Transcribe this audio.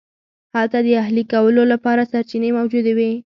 هلته د اهلي کولو لپاره سرچینې موجودې وې.